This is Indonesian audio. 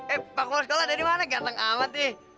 eh pak kola sekolah ada di mana ganteng amat sih